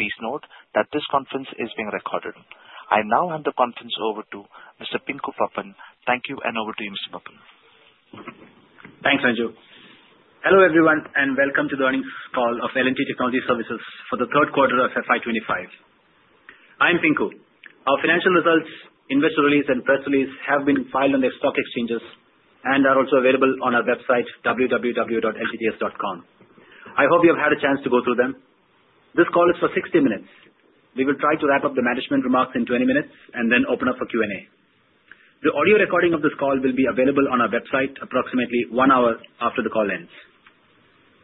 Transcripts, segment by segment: Please note that this conference is being recorded. I now hand the conference over to Mr. Pinku Pappan. Thank you, and over to you, Mr. Pappan. Thanks, Anju. Hello, everyone, and welcome to the earnings call of L&T Technology Services for the third quarter of FY 25. I'm Pinku. Our financial results, investor release, and press release have been filed on their stock exchanges and are also available on our website, www.ltts.com. I hope you have had a chance to go through them. This call is for 60 minutes. We will try to wrap up the management remarks in 20 minutes and then open up for Q&A. The audio recording of this call will be available on our website approximately one hour after the call ends.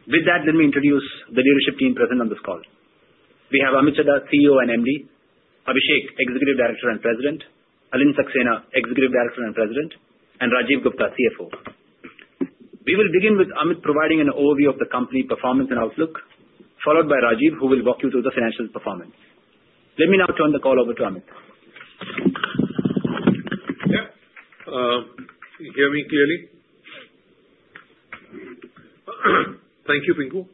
With that, let me introduce the leadership team present on this call. We have Amit Chadha, CEO and MD, Abhishek Sinha, Executive Director and President, Alind Saxena, Executive Director and President, and Rajeev Gupta, CFO. We will begin with Amit providing an overview of the company performance and outlook, followed by Rajeev, who will walk you through the financial performance. Let me now turn the call over to Amit. Yep. You hear me clearly? Thank you, Pinku.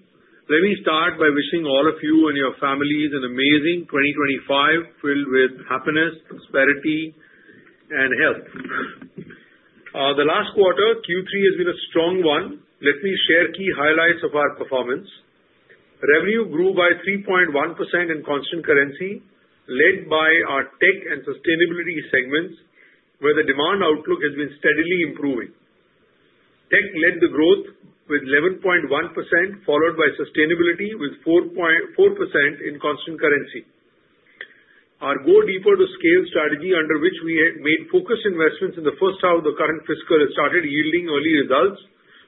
Let me start by wishing all of you and your families an amazing 2025 filled with happiness, prosperity, and health. The last quarter, Q3, has been a strong one. Let me share key highlights of our performance. Revenue grew by 3.1% in constant currency, led by our Tech and Sustainability segments, where the demand outlook has been steadily improving. Tech led the growth with 11.1%, followed by Sustainability with 4% in constant currency. Our Go Deeper to Scale strategy, under which we made focused investments in the first half of the current fiscal, has started yielding early results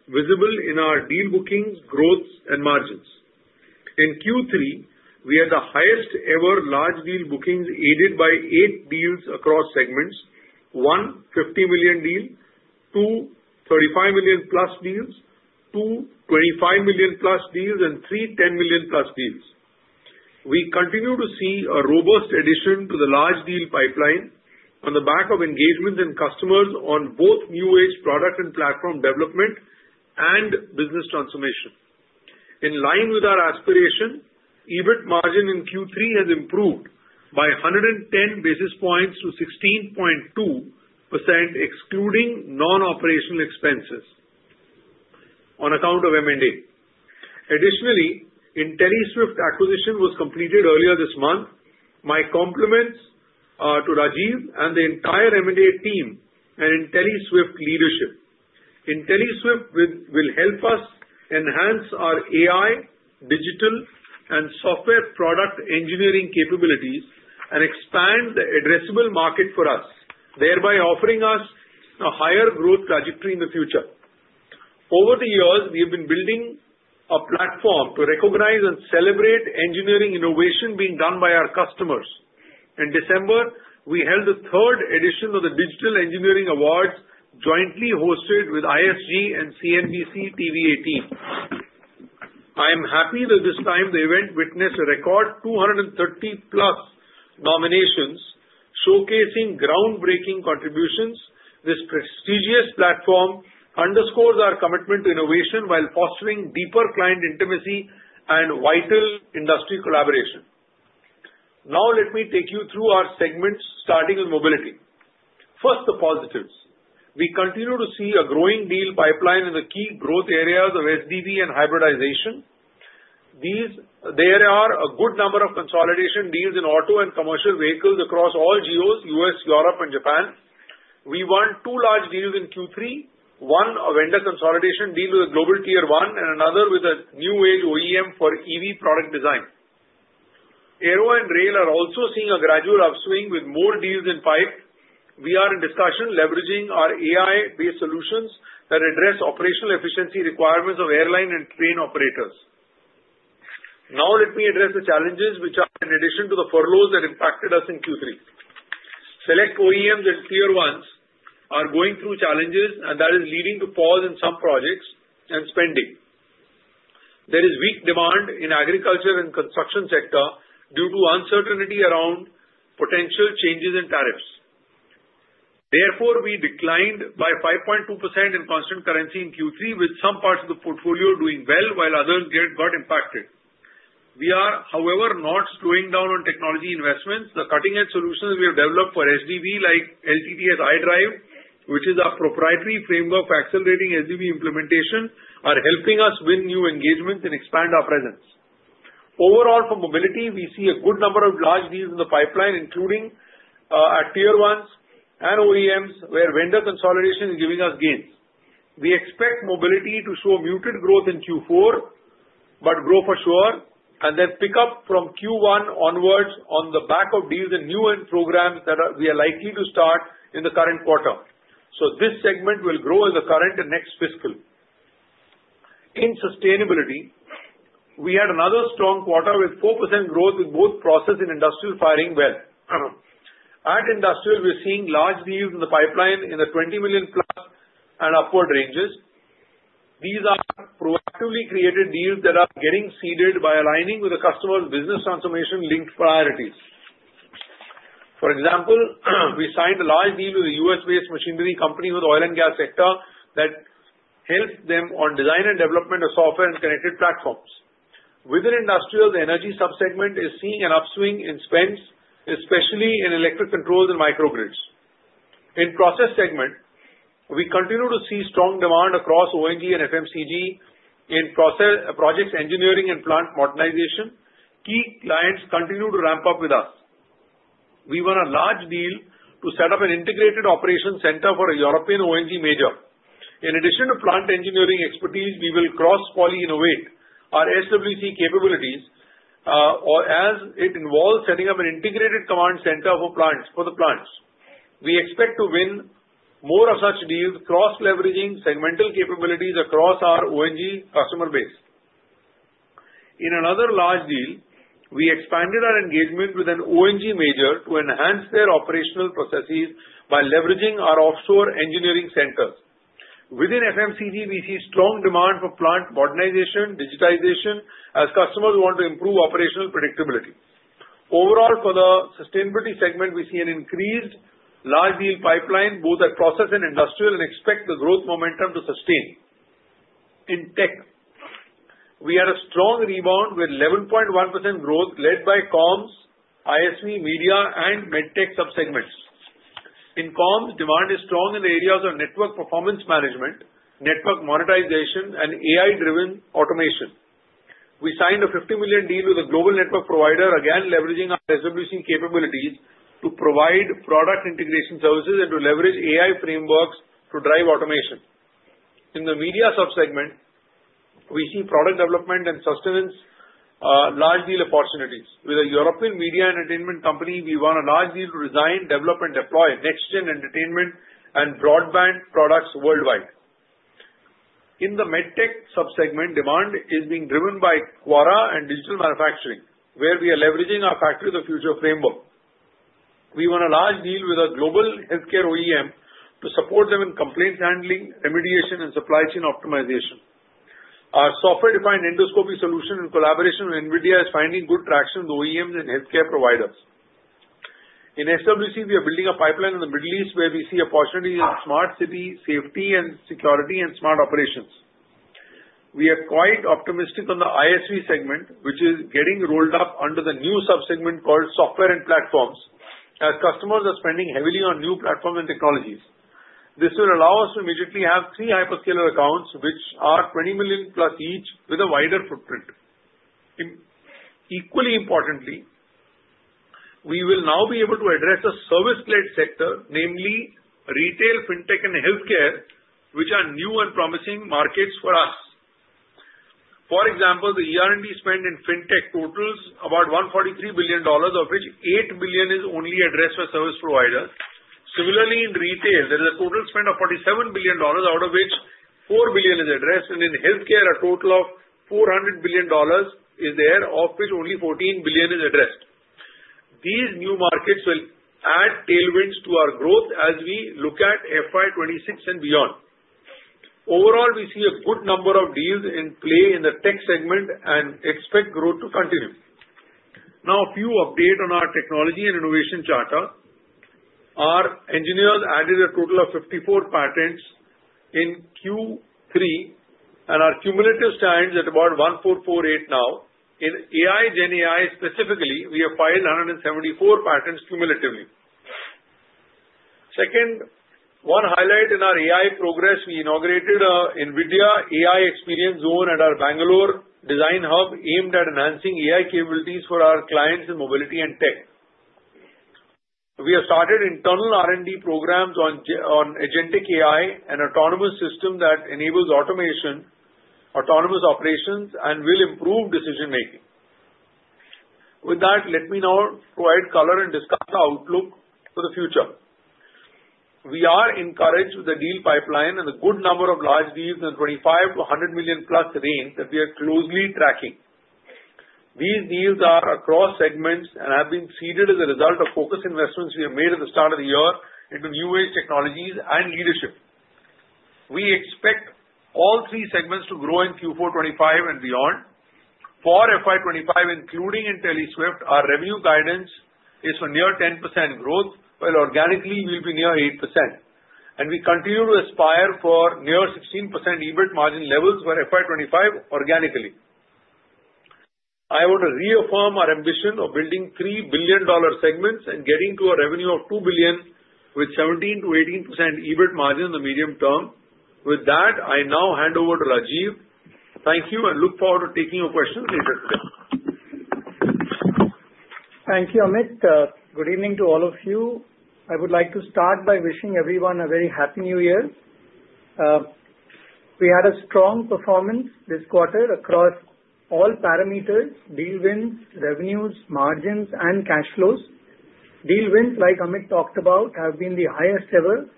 visible in our deal bookings, growth, and margins. In Q3, we had the highest-ever large deal bookings, aided by eight deals across segments: one, $50 million deals; two, $35 million-plus deals; two, $25 million-plus deals; and three, $10 million-plus deals. We continue to see a robust addition to the large deal pipeline on the back of engagements and customers on both new-age product and platform development and business transformation. In line with our aspiration, EBIT margin in Q3 has improved by 110 basis points to 16.2%, excluding non-operational expenses, on account of M&A. Additionally, Intelliswift acquisition was completed earlier this month. My compliments to Rajeev and the entire M&A team and Intelliswift leadership. Intelliswift will help us enhance our AI, digital, and software product engineering capabilities and expand the addressable market for us, thereby offering us a higher growth trajectory in the future. Over the years, we have been building a platform to recognize and celebrate engineering innovation being done by our customers. In December, we held the third edition of the Digital Engineering Awards, jointly hosted with ISG and CNBC-TV18. I am happy that this time the event witnessed a record 230-plus nominations, showcasing groundbreaking contributions. This prestigious platform underscores our commitment to innovation while fostering deeper client intimacy and vital industry collaboration. Now, let me take you through our segments, starting with Mobility. First, the positives. We continue to see a growing deal pipeline in the key growth areas of SDV and hybridization. There are a good number of consolidation deals in auto and commercial vehicles across all geos: U.S., Europe, and Japan. We won two large deals in Q3: one, a vendor consolidation deal with a Global Tier 1, and another with a new-age OEM for EV product design. Aero and rail are also seeing a gradual upswing with more deals in pipe. We are in discussion leveraging our AI-based solutions that address operational efficiency requirements of airline and train operators. Now, let me address the challenges which are, in addition to the furloughs that impacted us in Q3. Select OEMs and Tier 1s are going through challenges, and that is leading to pause in some projects and spending. There is weak demand in agriculture and construction sector due to uncertainty around potential changes in tariffs. Therefore, we declined by 5.2% in constant currency in Q3, with some parts of the portfolio doing well while others got impacted. We are, however, not slowing down on technology investments. The cutting-edge solutions we have developed for SDV, like LTTS iDrive, which is a proprietary framework for accelerating SDV implementation, are helping us win new engagements and expand our presence. Overall, for Mobility, we see a good number of large deals in the pipeline, including Tier 1s and OEMs, where vendor consolidation is giving us gains. We expect Mobility to show muted growth in Q4 but grow for sure, and then pick up from Q1 onwards on the back of deals and new programs that we are likely to start in the current quarter. So this segment will grow in the current and next fiscal. In Sustainability, we had another strong quarter with 4% growth in both process and industrial, firing well. At industrial, we're seeing large deals in the pipeline in the $20 million-plus and upward ranges. These are proactively created deals that are getting seeded by aligning with the customer's business transformation-linked priorities. For example, we signed a large deal with a US-based machinery company in the oil and gas sector that helped them on design and development of software and connected platforms. Within industrial, the energy subsegment is seeing an upswing in spends, especially in electric controls and microgrids. In the process segment, we continue to see strong demand across O&G and FMCG in project engineering and plant modernization. Key clients continue to ramp up with us. We won a large deal to set up an integrated operations center for a European O&G major. In addition to plant engineering expertise, we will cross-pollinate our SWC capabilities, as it involves setting up an integrated command center for the plants. We expect to win more of such deals, cross-leveraging segmental capabilities across our O&G customer base. In another large deal, we expanded our engagement with an O&G major to enhance their operational processes by leveraging our offshore engineering centers. Within FMCG, we see strong demand for plant modernization, digitization, as customers want to improve operational predictability. Overall, for the Sustainability segment, we see an increased large deal pipeline both in process and industrial and expect the growth momentum to sustain. In Tech, we had a strong rebound with 11.1% growth, led by comms, ISV, media, and medtech subsegments. In comms, demand is strong in the areas of network performance management, network monetization, and AI-driven automation. We signed a $50 million deal with a global network provider, again leveraging our SWC capabilities to provide product integration services and to leverage AI frameworks to drive automation. In the media subsegment, we see product development and sustenance large deal opportunities. With a European media and entertainment company, we won a large deal to design, develop, and deploy next-gen entertainment and broadband products worldwide. In the medtech subsegment, demand is being driven by QA/RA and digital manufacturing, where we are leveraging our Factory of the Future framework. We won a large deal with a global healthcare OEM to support them in complaints handling, remediation, and supply chain optimization. Our software-defined endoscopy solution, in collaboration with NVIDIA, is finding good traction with OEMs and healthcare providers. In SWC, we are building a pipeline in the Middle East, where we see opportunities in smart city safety and security and smart operations. We are quite optimistic on the ISV segment, which is getting rolled up under the new subsegment called Software and Platforms, as customers are spending heavily on new platforms and technologies. This will allow us to immediately have three hyperscaler accounts, which are 20 million-plus each, with a wider footprint. Equally importantly, we will now be able to address a service-led sector, namely retail, fintech, and healthcare, which are new and promising markets for us. For example, the ER&D spend in fintech totals about $143 billion, of which $8 billion is only addressed for service providers. Similarly, in retail, there is a total spend of $47 billion, out of which $4 billion is addressed, and in healthcare, a total of $400 billion is there, of which only $14 billion is addressed. These new markets will add tailwinds to our growth as we look at FY 26 and beyond. Overall, we see a good number of deals in play in the Tech segment and expect growth to continue. Now, a few updates on our technology and innovation charter. Our engineers added a total of 54 patents in Q3, and our cumulative stands at about 1448 now. In AI GenAI specifically, we have filed 174 patents cumulatively. Second, one highlight in our AI progress, we inaugurated an NVIDIA AI Experience Zone at our Bangalore Design Hub aimed at enhancing AI capabilities for our clients in Mobility and Tech. We have started internal R&D programs on agentic AI, an autonomous system that enables automation, autonomous operations, and will improve decision-making. With that, let me now provide color and discuss the outlook for the future. We are encouraged with the deal pipeline and a good number of large deals in the $25-$100 million-plus range that we are closely tracking. These deals are across segments and have been seeded as a result of focused investments we have made at the start of the year into new-age technologies and leadership. We expect all three segments to grow in Q4 FY 25 and beyond. For FY 25, including Intelliswift, our revenue guidance is for near 10% growth, while organically we'll be near 8%, and we continue to aspire for near 16% EBIT margin levels for FY 25 organically. I want to reaffirm our ambition of building $3 billion segments and getting to a revenue of $2 billion with 17%-18% EBIT margin in the medium term. With that, I now hand over to Rajeev. Thank you, and look forward to taking your questions later today. Thank you, Amit. Good evening to all of you. I would like to start by wishing everyone a very happy New Year. We had a strong performance this quarter across all parameters: deal wins, revenues, margins, and cash flows. Deal wins, like Amit talked about, have been the highest ever.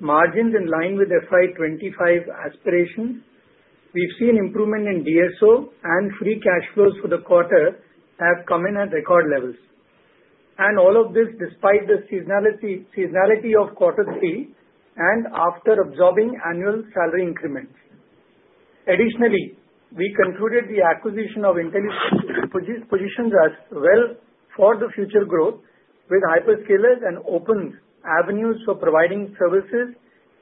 Margins in line with FY 25 aspirations. We've seen improvement in DSO, and free cash flows for the quarter have come in at record levels and all of this despite the seasonality of quarter three and after absorbing annual salary increments. Additionally, we concluded the acquisition of Intelliswift positions us well for the future growth, with hyperscalers and open avenues for providing services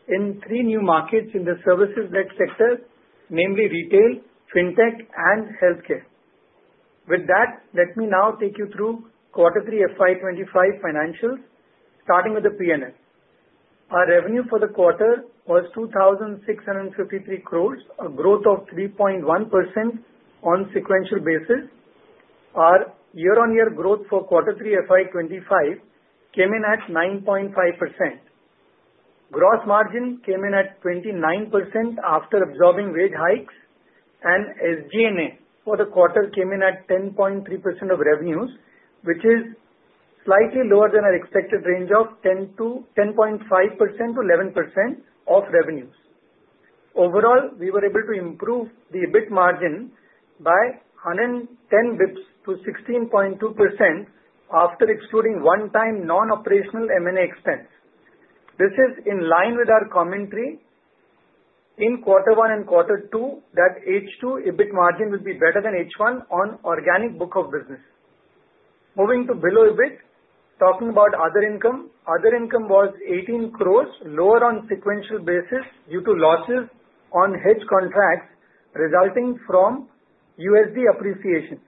in three new markets in the services-led sector, namely retail, fintech, and healthcare. With that, let me now take you through quarter three FY 25 financials, starting with the P&L. Our revenue for the quarter was 2,653 crores, a growth of 3.1% on a sequential basis. Our year-on-year growth for quarter three FY 25 came in at 9.5%. Gross margin came in at 29% after absorbing wage hikes, and SG&A for the quarter came in at 10.3% of revenues, which is slightly lower than our expected range of 10.5%-11% of revenues. Overall, we were able to improve the EBIT margin by 110 basis points to 16.2% after excluding one-time non-operational M&A expense. This is in line with our commentary in quarter one and quarter two that H2 EBIT margin will be better than H1 on organic book of business. Moving to below EBIT, talking about other income, other income was 18 crores, lower on a sequential basis due to losses on hedge contracts resulting from USD appreciation.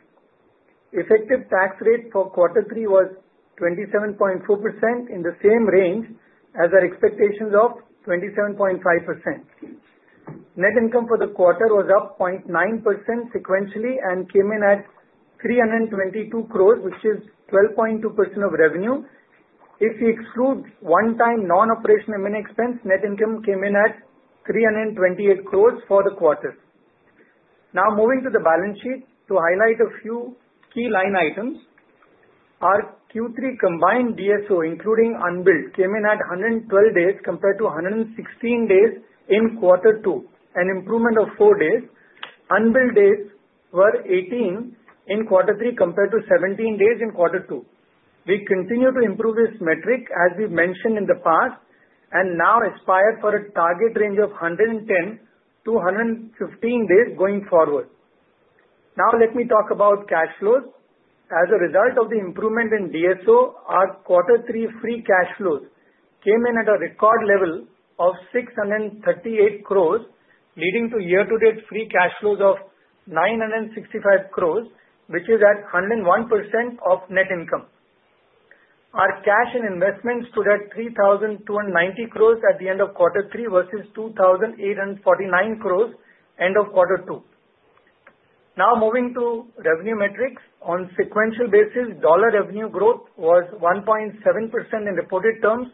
Effective tax rate for quarter three was 27.4% in the same range as our expectations of 27.5%. Net income for the quarter was up 0.9% sequentially and came in at 322 crores, which is 12.2% of revenue. If we exclude one-time non-operational M&A expense, net income came in at 328 crores for the quarter. Now, moving to the balance sheet to highlight a few key line items. Our Q3 combined DSO, including unbilled, came in at 112 days compared to 116 days in quarter two, an improvement of four days. Unbilled days were 18 in quarter three compared to 17 days in quarter two. We continue to improve this metric, as we've mentioned in the past, and now aspire for a target range of 110-115 days going forward. Now, let me talk about cash flows. As a result of the improvement in DSO, our quarter three free cash flows came in at a record level of 638 crores, leading to year-to-date free cash flows of 965 crores, which is at 101% of net income. Our cash and investments stood at 3,290 crores at the end of quarter three versus 2,849 crores at the end of quarter two. Now, moving to revenue metrics, on a sequential basis, dollar revenue growth was 1.7% in reported terms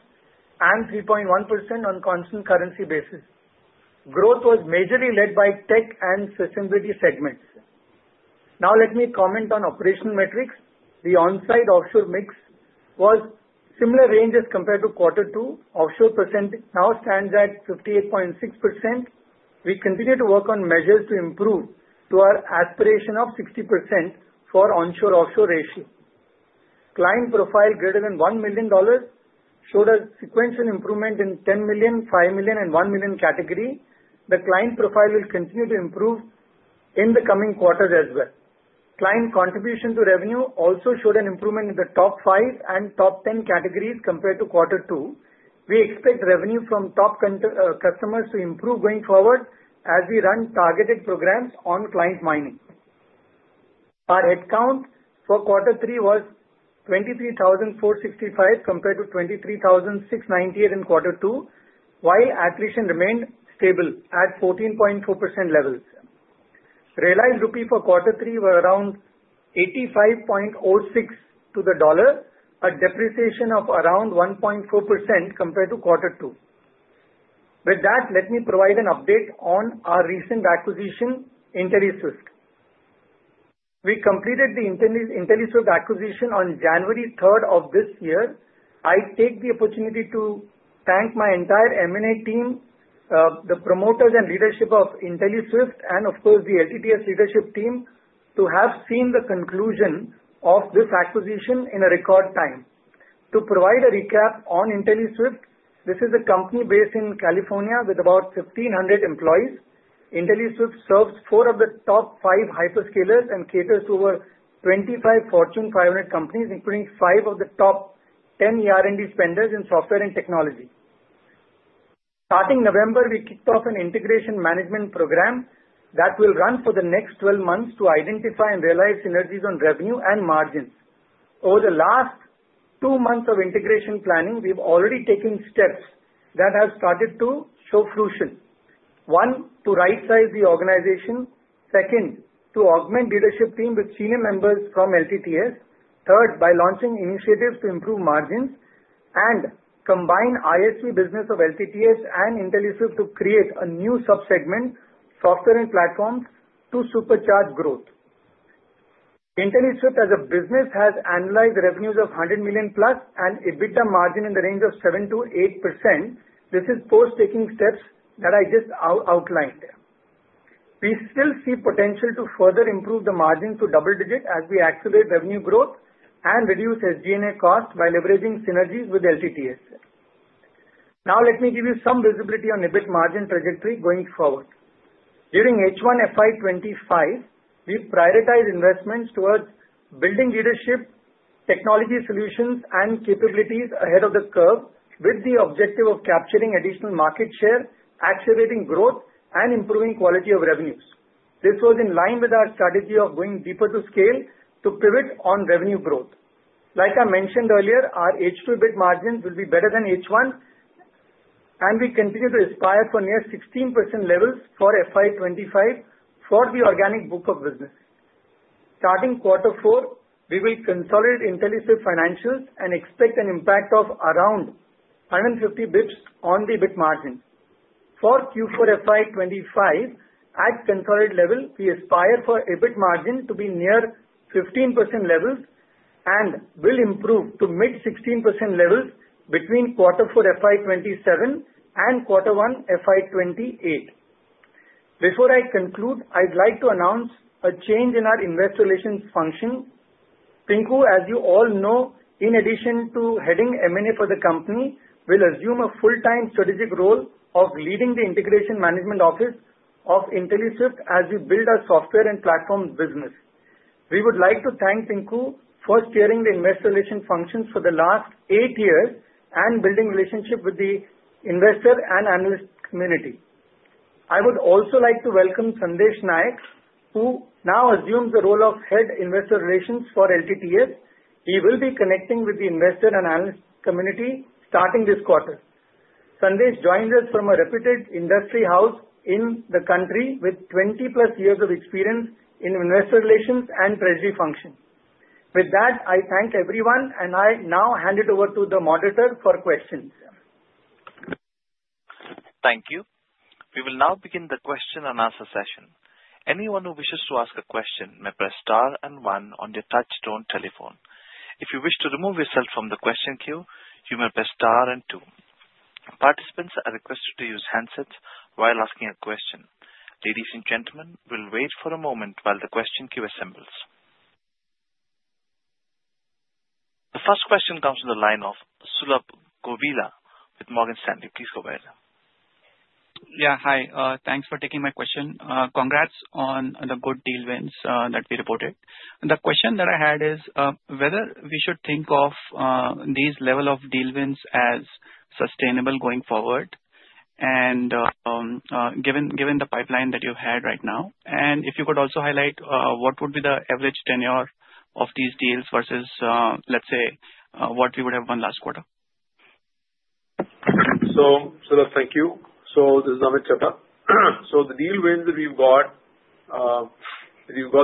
and 3.1% on a constant currency basis. Growth was majorly led by Tech and Sustainability segments. Now, let me comment on operational metrics. The onsite offshore mix was similar ranges compared to quarter two. Offshore percent now stands at 58.6%. We continue to work on measures to improve to our aspiration of 60% for onshore-offshore ratio. Client profile greater than $1 million showed a sequential improvement in 10 million, 5 million, and 1 million category. The client profile will continue to improve in the coming quarters as well. Client contribution to revenue also showed an improvement in the top five and top ten categories compared to quarter two. We expect revenue from top customers to improve going forward as we run targeted programs on client mining. Our headcount for quarter three was 23,465 compared to 23,698 in quarter two, while attrition remained stable at 14.4% levels. Realized Rupee for quarter three was around 85.06 to the dollar, a depreciation of around 1.4% compared to quarter two. With that, let me provide an update on our recent acquisition, Intelliswift. We completed the Intelliswift acquisition on January 3rd of this year. I take the opportunity to thank my entire M&A team, the promoters, and leadership of Intelliswift, and of course, the LTTS leadership team to have seen the conclusion of this acquisition in a record time. To provide a recap on Intelliswift, this is a company based in California with about 1,500 employees. Intelliswift serves four of the top five hyperscalers and caters to over 25 Fortune 500 companies, including five of the top 10 ER&D spenders in software and technology. Starting November, we kicked off an integration management program that will run for the next 12 months to identify and realize synergies on revenue and margins. Over the last two months of integration planning, we've already taken steps that have started to show fruition. One, to right-size the organization. Second, to augment the leadership team with senior members from LTTS. Third, by launching initiatives to improve margins and combine ISV business of LTTS and Intelliswift to create a new subsegment, Software and Platforms, to supercharge growth. Intelliswift as a business has annualized revenues of $100 million-plus and EBITDA margin in the range of 7%-8%. This is post-taking steps that I just outlined. We still see potential to further improve the margin to double-digit as we accelerate revenue growth and reduce SG&A costs by leveraging synergies with LTTS. Now, let me give you some visibility on EBIT margin trajectory going forward. During H1 FY 25, we prioritized investments towards building leadership, technology solutions, and capabilities ahead of the curve with the objective of capturing additional market share, accelerating growth, and improving quality of revenues. This was in line with our strategy of going deeper to scale to pivot on revenue growth. Like I mentioned earlier, our H2 EBIT margins will be better than H1, and we continue to aspire for near 16% levels for FY 25 for the organic book of business. Starting quarter four, we will consolidate Intelliswift financials and expect an impact of around 150 basis points on the EBIT margin. For Q4 FY 25, at consolidated level, we aspire for EBIT margin to be near 15% levels and will improve to mid-16% levels between quarter four FY 27 and quarter one FY 28. Before I conclude, I'd like to announce a change in our investor relations function. Pinku, as you all know, in addition to heading M&A for the company, will assume a full-time strategic role of leading the integration management office of Intelliswift as we build our software and platform business. We would like to thank Pinku for steering the investor relations functions for the last eight years and building relationships with the investor and analyst community. I would also like to welcome Sandesh Naik, who now assumes the role of head investor relations for LTTS. He will be connecting with the investor and analyst community starting this quarter. Sandesh joins us from a reputed industry house in the country with 20-plus years of experience in investor relations and treasury function. With that, I thank everyone, and I now hand it over to the moderator for questions. Thank you. We will now begin the question and answer session. Anyone who wishes to ask a question may press star and one on the touch-tone telephone. If you wish to remove yourself from the question queue, you may press star and two. Participants are requested to use handsets while asking a question. Ladies and gentlemen, we'll wait for a moment while the question queue assembles. The first question comes from the line of Sulabh Govila with Morgan Stanley. Please go ahead. Yeah, hi. Thanks for taking my question. Congrats on the good deal wins that we reported. The question that I had is whether we should think of these levels of deal wins as sustainable going forward, given the pipeline that you have right now. And if you could also highlight what would be the average tenure of these deals versus, let's say, what we would have won last quarter. Thank you. This is Amit Chadha. The deal wins that we've got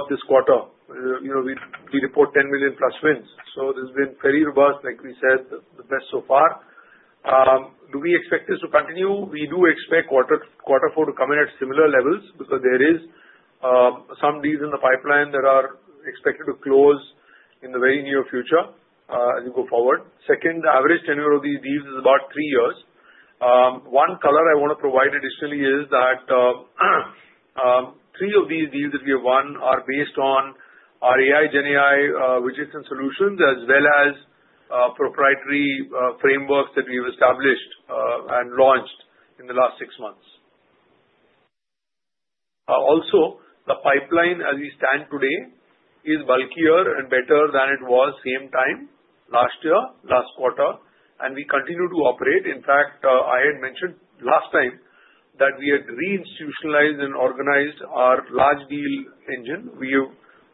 this quarter, we report $10 million-plus wins. This has been very robust, like we said, the best so far. Do we expect this to continue? We do expect quarter four to come in at similar levels because there are some deals in the pipeline that are expected to close in the very near future as we go forward. Second, the average tenure of these deals is about three years. One color I want to provide additionally is that three of these deals that we have won are based on our AI, GenAI, widgets, and solutions, as well as proprietary frameworks that we have established and launched in the last six months. Also, the pipeline as we stand today is bulkier and better than it was same time last year, last quarter, and we continue to operate. In fact, I had mentioned last time that we had re-institutionalized and organized our large deal engine. We have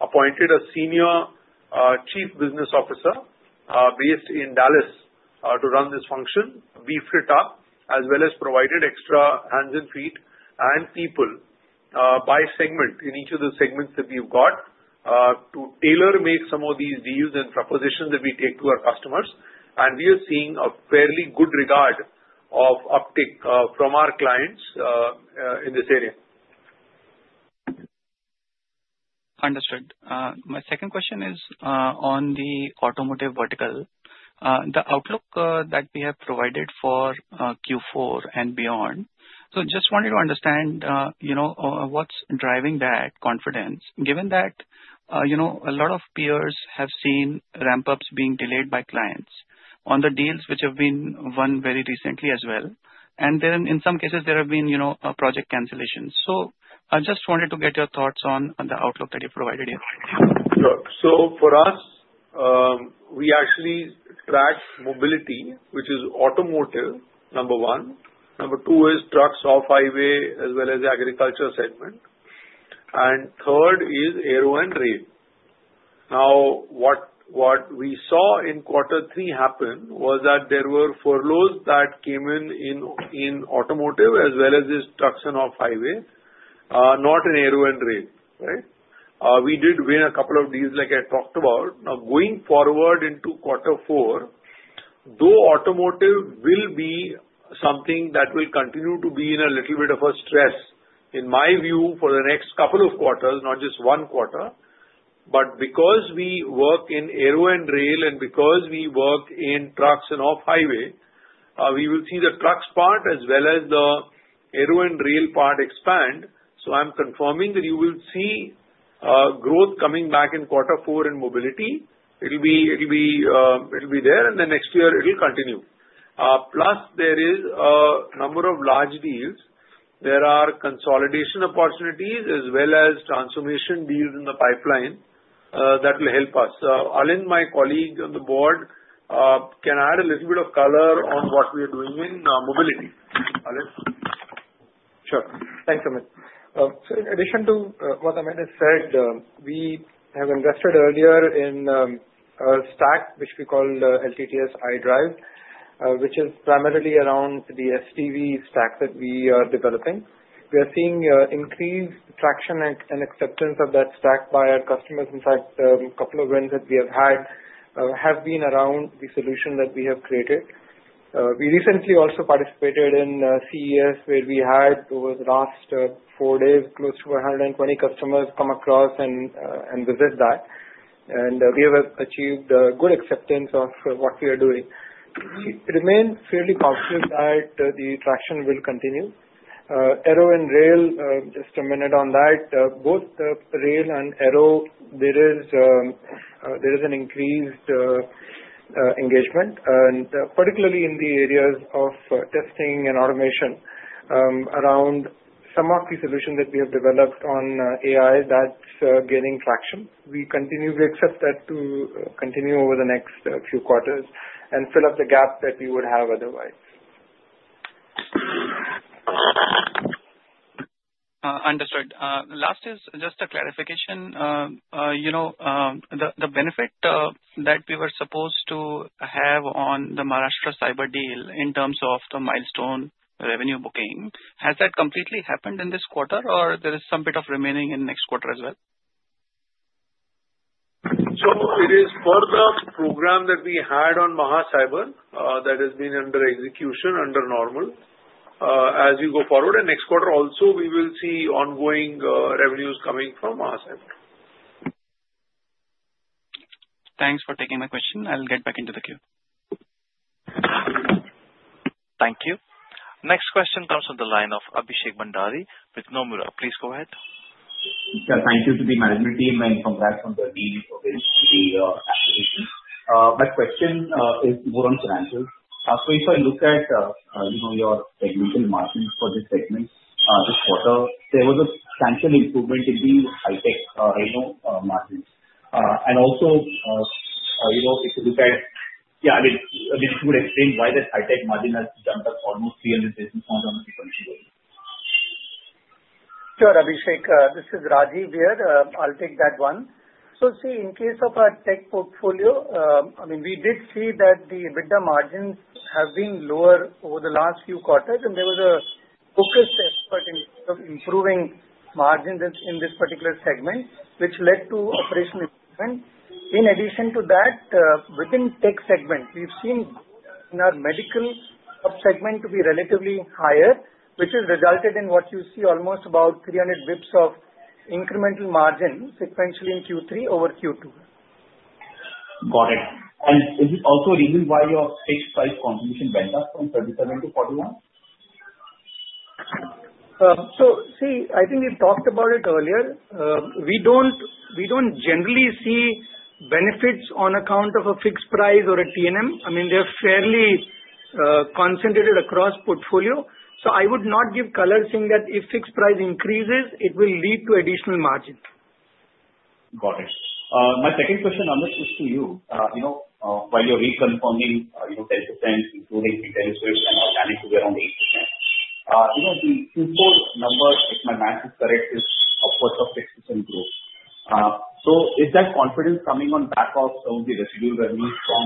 appointed a senior chief business officer based in Dallas to run this function, bifurcated, as well as provided extra hands and feet and people by segment in each of the segments that we've got to tailor-make some of these deals and propositions that we take to our customers, and we are seeing a fairly good rate of uptake from our clients in this area. Understood. My second question is on the automotive vertical. The outlook that we have provided for Q4 and beyond, so just wanted to understand what's driving that confidence, given that a lot of peers have seen ramp-ups being delayed by clients on the deals which have been won very recently as well. And in some cases, there have been project cancellations. So I just wanted to get your thoughts on the outlook that you provided here. So for us, we actually track Mobility, which is automotive, number one. Number two is trucks off-highway as well as the agriculture segment. And third is aero and rail. Now, what we saw in quarter three happen was that there were furloughs that came in in automotive as well as this trucks and off-highway, not in aero and rail. Right? We did win a couple of deals, like I talked about. Now, going forward into quarter four, though, automotive will be something that will continue to be in a little bit of a stress, in my view, for the next couple of quarters, not just one quarter. But because we work in aero and rail and because we work in trucks and off-highway, we will see the trucks part as well as the aero and rail part expand. So I'm confirming that you will see growth coming back in quarter four in Mobility. It will be there, and then next year, it will continue. Plus, there is a number of large deals. There are consolidation opportunities as well as transformation deals in the pipeline that will help us. Alind, my colleague on the board, can add a little bit of color on what we are doing in Mobility. Alind? Sure. Thanks, Amit. So in addition to what Amit has said, we have invested earlier in a stack which we call LTTS iDrive, which is primarily around the SDV stack that we are developing. We are seeing increased traction and acceptance of that stack by our customers. In fact, a couple of wins that we have had have been around the solution that we have created. We recently also participated in CES, where we had, over the last four days, close to 120 customers come across and visit that. And we have achieved good acceptance of what we are doing. We remain fairly confident that the traction will continue. Aero and rail, just a minute on that. Both rail and aero, there is an increased engagement, particularly in the areas of testing and automation. Around some of the solutions that we have developed on AI, that's gaining traction. We accept that to continue over the next few quarters and fill up the gap that we would have otherwise. Understood. Last is just a clarification. The benefit that we were supposed to have on the Maharashtra cyber deal in terms of the milestone revenue booking, has that completely happened in this quarter, or there is some bit of remaining in next quarter as well? So it is for the program that we had on Maha Cyber that has been under execution, under normal, as we go forward. And next quarter, also, we will see ongoing revenues coming from Maha Cyber. Thanks for taking my question. I'll get back into the queue. Thank you. Next question comes from the line of Abhishek Bhandari with Nomura. Please go ahead. Thank you to the management team, and congrats on the deal for the acquisition. My question is more on financials, so if I look at your segmental margins for this segment this quarter, there was a substantial improvement in the high-tech margins, and also, I mean, would you explain why that high-tech margin has jumped up almost 300 basis points on the frequency? Sure, Abhishek. This is Rajeev here. I'll take that one. So see, in case of our Tech portfolio, I mean, we did see that the EBITDA margins have been lower over the last few quarters. And there was a focused effort in terms of improving margins in this particular segment, which led to operational improvement. In addition to that, within Tech segment, we've seen in our medical subsegment to be relatively higher, which has resulted in what you see, almost about 300 basis points of incremental margin sequentially in Q3 over Q2. Got it. And is it also a reason why your fixed price contribution went up from 37 to 41? So see, I think we've talked about it earlier. We don't generally see benefits on account of a fixed price or a T&M. I mean, they're fairly concentrated across portfolio. So I would not give color saying that if fixed price increases, it will lead to additional margin. Got it. My second question, Amit, is to you. While you're reconfirming 10%, including Intelliswift and organic to be around 8%, the Q4 number, if my math is correct, is upwards of 6% growth. So is that confidence coming on back of some of the residual revenues from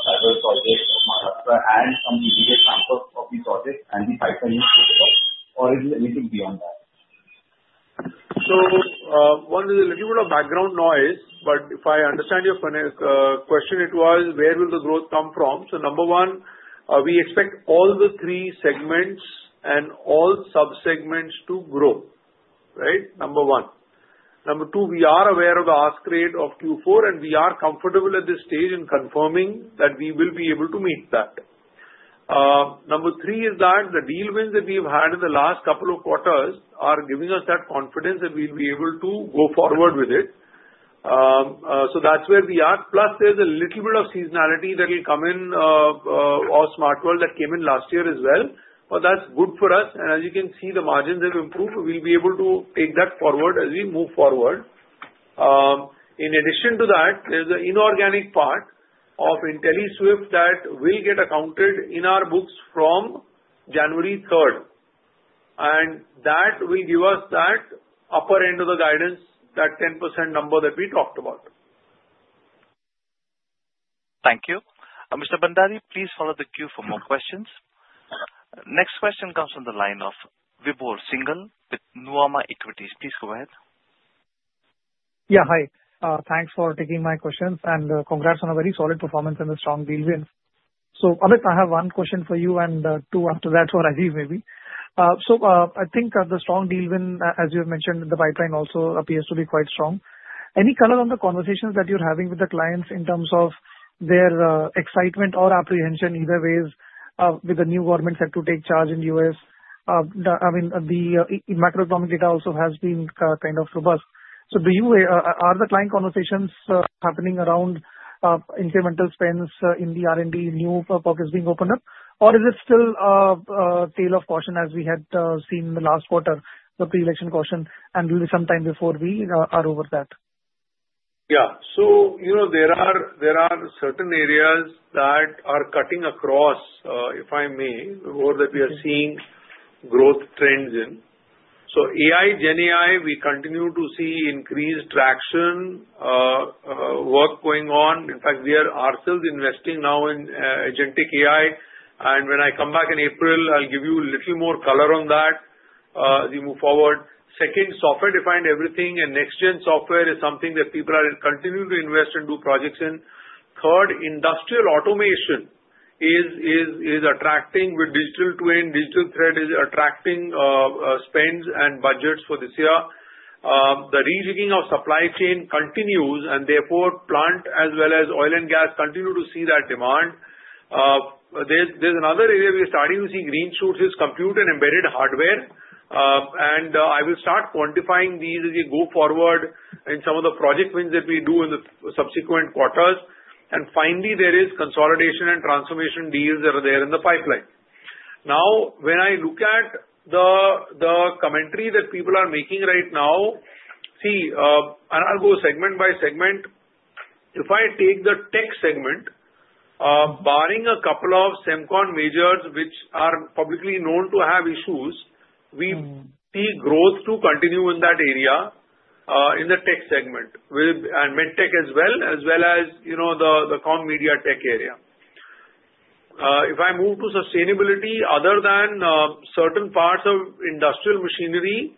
cyber projects of Maharashtra and some of the immediate samples of these projects and the pipeline you spoke about, or is it a little beyond that? One is a little bit of background noise, but if I understand your question, it was, where will the growth come from? Number one, we expect all the three segments and all subsegments to grow. Right? Number one. Number two, we are aware of the ask rate of Q4, and we are comfortable at this stage in confirming that we will be able to meet that. Number three is that the deal wins that we've had in the last couple of quarters are giving us that confidence that we'll be able to go forward with it. So that's where we are. Plus, there's a little bit of seasonality that will come in, in Smart World that came in last year as well. But that's good for us. And as you can see, the margins have improved. We'll be able to take that forward as we move forward. In addition to that, there's the inorganic part of Intelliswift that will get accounted in our books from January 3rd, and that will give us that upper end of the guidance, that 10% number that we talked about. Thank you. Mr. Bhandari, please follow the queue for more questions. Next question comes from the line of Vibhor Singhal with Nuvama Equities. Please go ahead. Yeah, hi. Thanks for taking my questions. And congrats on a very solid performance and the strong deal wins. So Amit, I have one question for you and two after that for Rajeev maybe. So I think the strong deal win, as you have mentioned, the pipeline also appears to be quite strong. Any color on the conversations that you're having with the clients in terms of their excitement or apprehension either ways with the new government set to take charge in the US? I mean, the macroeconomic data also has been kind of robust. So are the client conversations happening around incremental spends in the R&D, new focus being opened up? Or is it still a tale of caution as we had seen in the last quarter, the pre-election caution, and will be some time before we are over that? Yeah. So there are certain areas that are cutting across, if I may, or that we are seeing growth trends in. So AI, GenAI, we continue to see increased traction, work going on. In fact, we are ourselves investing now in Agentic AI. And when I come back in April, I'll give you a little more color on that as we move forward. Second, software-defined everything and next-gen software is something that people are continuing to invest and do projects in. Third, industrial automation is attracting with Digital Twin. Digital Thread is attracting spends and budgets for this year. The rejigging of supply chain continues, and therefore, plant as well as oil and gas continue to see that demand. There's another area we're starting to see green shoots, which is compute and embedded hardware. I will start quantifying these as we go forward in some of the project wins that we do in the subsequent quarters. Finally, there is consolidation and transformation deals that are there in the pipeline. Now, when I look at the commentary that people are making right now, see, and I'll go segment by segment. If I take the Tech segment, barring a couple of Semicon majors, which are publicly known to have issues, we see growth to continue in that area in the Tech segment and medtech as well, as well as the communications and media Tech area. If I move to Sustainability, other than certain parts of industrial machinery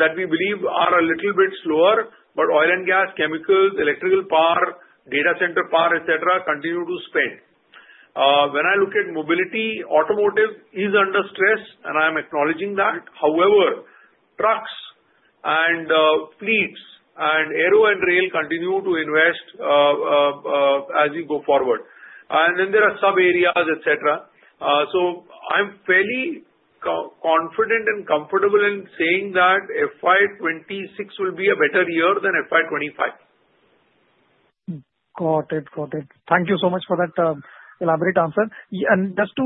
that we believe are a little bit slower, but oil and gas, chemicals, electrical power, data center power, etc., continue to spend. When I look at Mobility, automotive is under stress, and I'm acknowledging that. However, trucks and fleets and aero and rail continue to invest as we go forward. And then there are sub-areas, etc. So I'm fairly confident and comfortable in saying that FY 26 will be a better year than FY 25. Got it. Got it. Thank you so much for that elaborate answer. And just to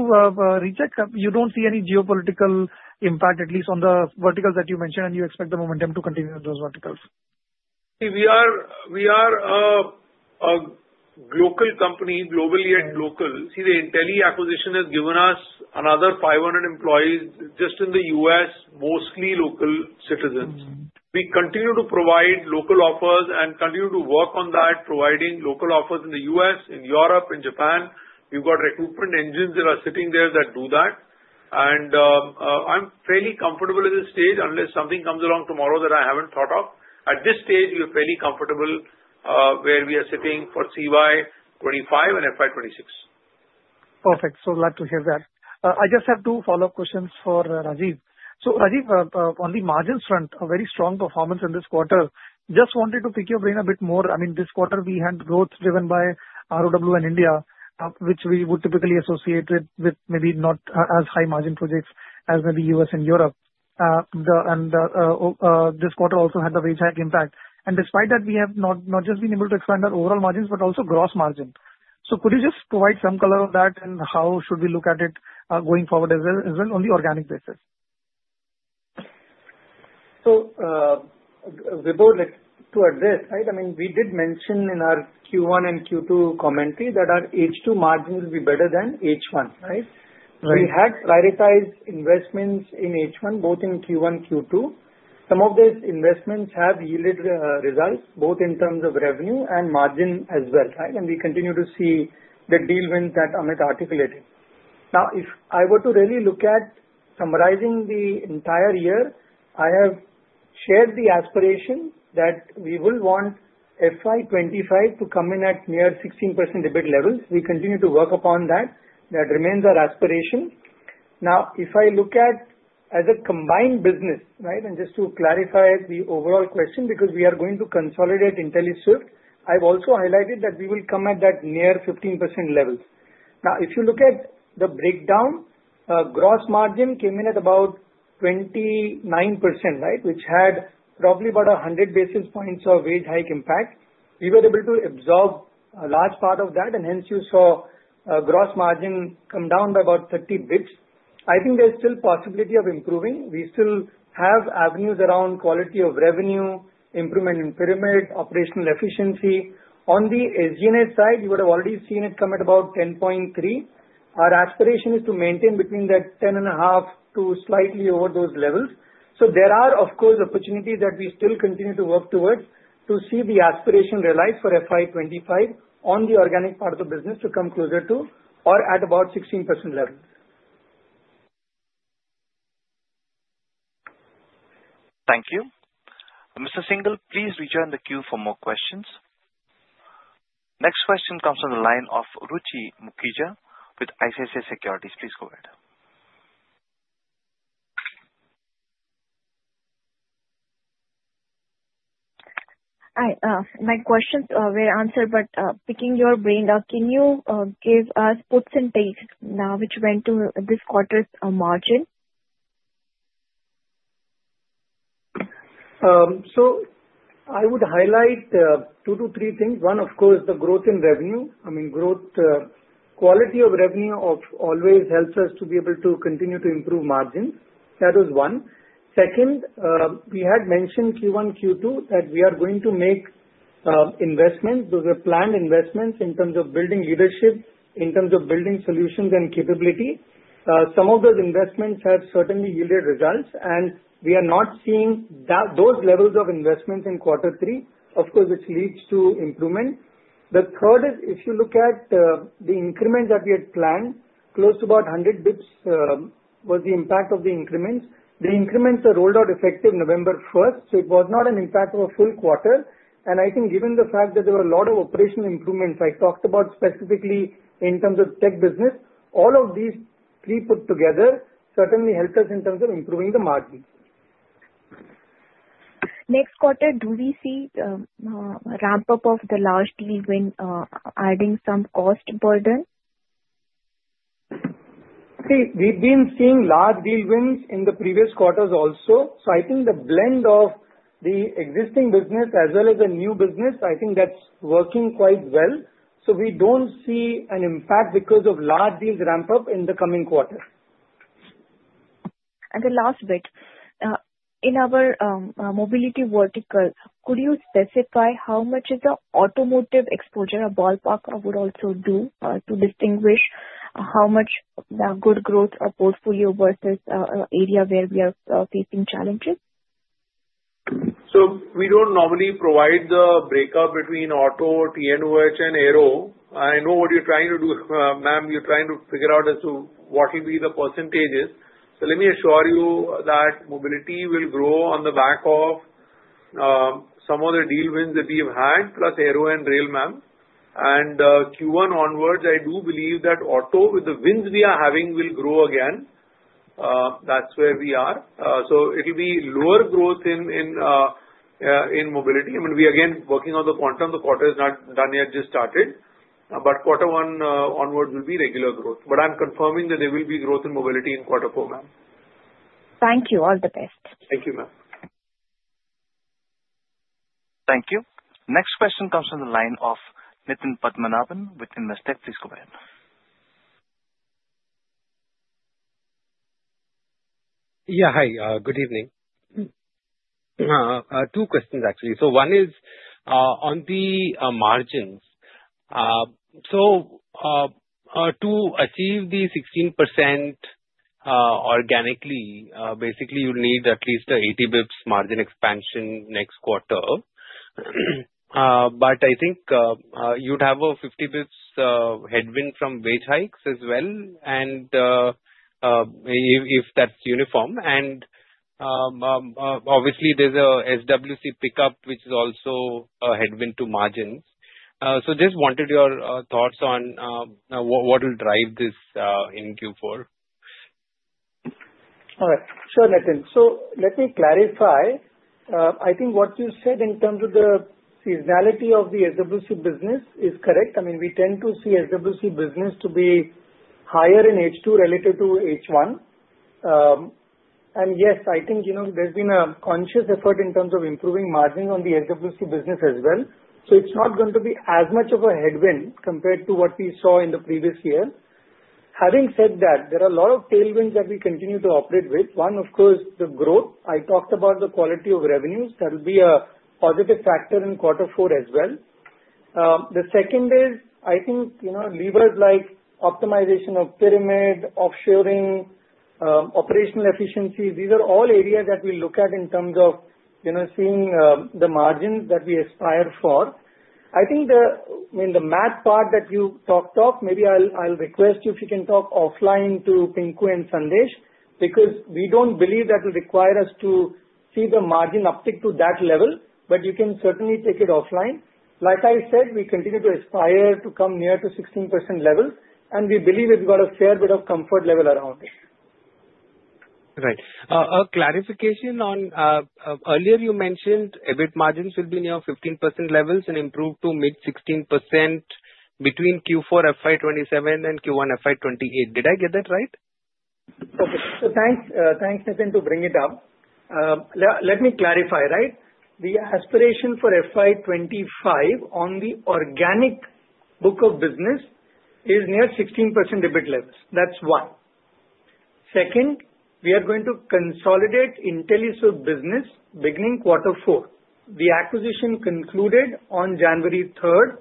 recheck, you don't see any geopolitical impact, at least on the verticals that you mentioned, and you expect the momentum to continue in those verticals? See, we are a global company, globally and locally. See, the Intelliswift acquisition has given us another 500 employees just in the U.S., mostly local citizens. We continue to provide local offers and continue to work on that, providing local offers in the U.S., in Europe, in Japan. We've got recruitment engines that are sitting there that do that, and I'm fairly comfortable at this stage, unless something comes along tomorrow that I haven't thought of. At this stage, we are fairly comfortable where we are sitting for CY 25 and FY 26. Perfect. So glad to hear that. I just have two follow-up questions for Rajeev. So Rajeev, on the margins front, a very strong performance in this quarter. Just wanted to pick your brain a bit more. I mean, this quarter, we had growth driven by ROW and India, which we would typically associate with maybe not as high margin projects as maybe U.S. and Europe. And this quarter also had a wage hike impact. And despite that, we have not just been able to expand our overall margins, but also gross margin. So could you just provide some color of that, and how should we look at it going forward as well, on the organic basis? So, Vibhu, to address, right? I mean, we did mention in our Q1 and Q2 commentary that our H2 margin will be better than H1, right? We had prioritized investments in H1, both in Q1 and Q2. Some of these investments have yielded results, both in terms of revenue and margin as well, right? And we continue to see the deal wins that Amit articulated. Now, if I were to really look at summarizing the entire year, I have shared the aspiration that we will want FY 25 to come in at near 16% EBIT levels. We continue to work upon that. That remains our aspiration. Now, if I look at as a combined business, right? And just to clarify the overall question, because we are going to consolidate Intelliswift, I've also highlighted that we will come at that near 15% levels. Now, if you look at the breakdown, gross margin came in at about 29%, right, which had probably about 100 basis points of wage hike impact. We were able to absorb a large part of that, and hence you saw gross margin come down by about 30 basis points. I think there's still possibility of improving. We still have avenues around quality of revenue, improvement in pyramid, operational efficiency. On the SG&A side, you would have already seen it come at about 10.3%. Our aspiration is to maintain between that 10.5% to slightly over those levels. So there are, of course, opportunities that we still continue to work towards to see the aspiration realized for FY 25 on the organic part of the business to come closer to or at about 16% levels. Thank you. Mr. Singhal, please rejoin the queue for more questions. Next question comes from the line of Ruchi Burman with ICICI Securities. Please go ahead. Hi. My questions were answered, but picking your brain, can you give us puts and takes now, which went to this quarter's margin? I would highlight two to three things. One, of course, the growth in revenue. I mean, quality of revenue always helps us to be able to continue to improve margins. That is one. Second, we had mentioned Q1, Q2 that we are going to make investments. Those are planned investments in terms of building leadership, in terms of building solutions and capability. Some of those investments have certainly yielded results, and we are not seeing those levels of investments in quarter three, of course, which leads to improvement. The third is, if you look at the increment that we had planned, close to about 100 basis points was the impact of the increments. The increments are rolled out effective November 1st, so it was not an impact of a full quarter. I think given the fact that there were a lot of operational improvements, I talked about specifically in terms of Tech business, all of these three put together certainly helped us in terms of improving the margin. Next quarter, do we see a ramp-up of the large deal win, adding some cost burden? See, we've been seeing large deal wins in the previous quarters also. So I think the blend of the existing business as well as the new business, I think that's working quite well. So we don't see an impact because of large deals ramp-up in the coming quarter. And the last bit. In our Mobility vertical, could you specify how much is the automotive exposure? A ballpark would also do to distinguish how much good growth a portfolio versus an area where we are facing challenges? We don't normally provide the breakup between auto, T&O, Rail, Aero. I know what you're trying to do, ma'am. You're trying to figure out as to what will be the percentages. So let me assure you that Mobility will grow on the back of some of the deal wins that we have had, plus Aero and Rail, ma'am. And Q1 onwards, I do believe that auto, with the wins we are having, will grow again. That's where we are. So it will be lower growth in Mobility. I mean, we are again working on the quantum. The quarter is not done yet. It just started. But quarter one onwards will be regular growth. But I'm confirming that there will be growth in Mobility in quarter four, ma'am. Thank you. All the best. Thank you, ma'am. Thank you. Next question comes from the line of Nitin Padmanabhan with Investec. Please go ahead. Yeah, hi. Good evening. Two questions, actually. So one is on the margins. So to achieve the 16% organically, basically, you'll need at least an 80 basis points margin expansion next quarter. But I think you'd have a 50 basis points headwind from wage hikes as well, if that's uniform. And obviously, there's a SWC pickup, which is also a headwind to margins. So just wanted your thoughts on what will drive this in Q4. All right. Sure, Nitin. So let me clarify. I think what you said in terms of the seasonality of the SWC business is correct. I mean, we tend to see SWC business to be higher in H2 relative to H1. And yes, I think there's been a conscious effort in terms of improving margins on the SWC business as well. So it's not going to be as much of a headwind compared to what we saw in the previous year. Having said that, there are a lot of tailwinds that we continue to operate with. One, of course, the growth. I talked about the quality of revenues. That will be a positive factor in quarter four as well. The second is, I think levers like optimization of pyramid, offshoring, operational efficiency. These are all areas that we look at in terms of seeing the margins that we aspire for. I think, I mean, the math part that you talked of, maybe I'll request you if you can talk offline to Pinku and Sandesh, because we don't believe that will require us to see the margin uptick to that level, but you can certainly take it offline. Like I said, we continue to aspire to come near to 16% levels, and we believe we've got a fair bit of comfort level around it. Right. A clarification on earlier, you mentioned EBIT margins will be near 15% levels and improve to mid 16% between Q4 FY 27 and Q1 FY 28. Did I get that right? Okay. So thanks, Nitin, to bring it up. Let me clarify, right? The aspiration for FY 25 on the organic book of business is near 16% EBIT levels. That's one. Second, we are going to consolidate Intelliswift business beginning quarter four. The acquisition concluded on January 3rd.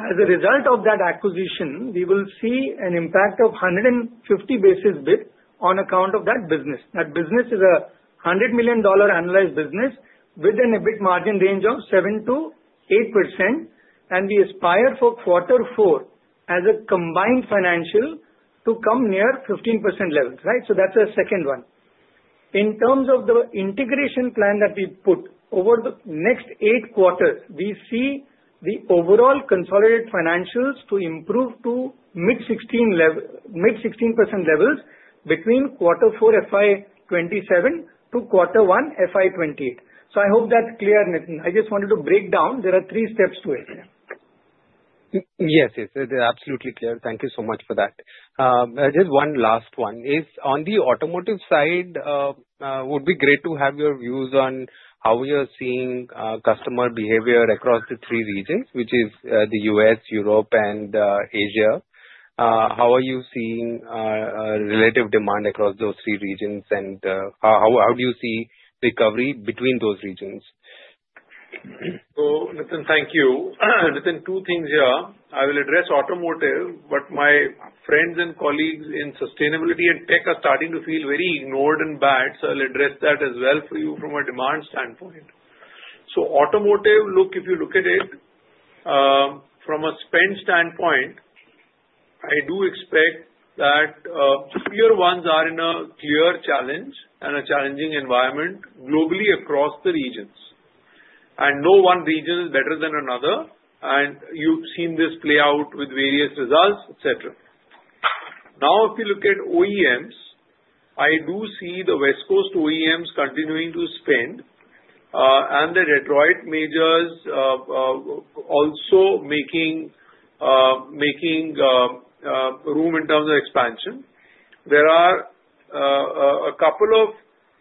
As a result of that acquisition, we will see an impact of 150 basis points on account of that business. That business is a $100 million annualized business with an EBIT margin range of 7%-8%, and we aspire for quarter four as a combined financial to come near 15% levels, right? So that's the second one. In terms of the integration plan that we put over the next eight quarters, we see the overall consolidated financials to improve to mid-16% levels between quarter four FY 27 to quarter one FY 28. So I hope that's clear, Nitin. I just wanted to break down. There are three steps to it. Yes, yes. It's absolutely clear. Thank you so much for that. Just one last one is, on the automotive side, it would be great to have your views on how you're seeing customer behavior across the three regions, which is the U.S., Europe, and Asia. How are you seeing relative demand across those three regions, and how do you see recovery between those regions? Nitin, thank you. Nitin, two things here. I will address automotive, but my friends and colleagues in Sustainability and Tech are starting to feel very ignored and bad, so I'll address that as well for you from a demand standpoint. Automotive, look, if you look at it from a spend standpoint, I do expect that the OEMs are in a challenging environment globally across the regions. No one region is better than another, and you've seen this play out with various results, etc. Now, if you look at OEMs, I do see the West Coast OEMs continuing to spend, and the Detroit majors also making room in terms of expansion. There are a couple of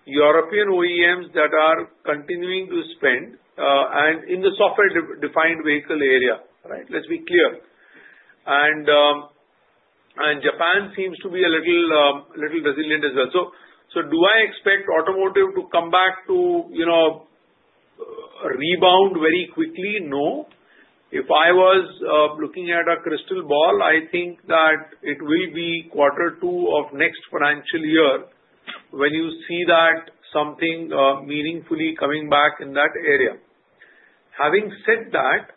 European OEMs that are continuing to spend in the software-defined vehicle area, right? Let's be clear. Japan seems to be a little resilient as well. So do I expect automotive to come back to rebound very quickly? No. If I was looking at a crystal ball, I think that it will be quarter two of next financial year when you see that something meaningfully coming back in that area. Having said that,